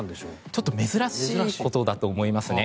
ちょっと珍しいことだと思いますね。